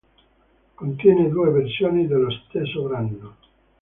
Contiene due versioni dello stesso brano.